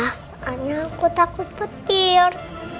soalnya aku takut petir